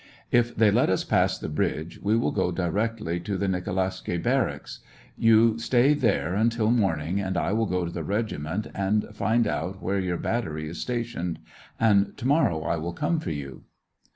" If they let us pass the bridge, we will go directly to the Nikolaevsky barracks. You stay there until morning, and I yvill go to the regiment and find 1 66 SEVASTOPOL IN AUGUST. out where your battery is stationed, and to morrow I will come for you."